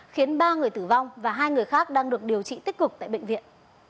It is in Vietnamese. khiến ba người tử vong và hai người khác đang được điều trị tích cực tại bệnh viện